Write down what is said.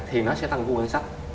thì nó sẽ tăng ưu ngân sách